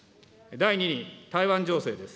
第２に、台湾情勢です。